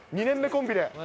２年目コンビで。